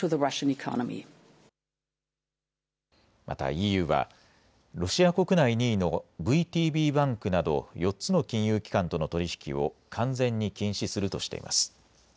またＥＵはロシア国内２位のＶＴＢバンクなど４つの金融機関との取り引きを完全に禁止するとしています。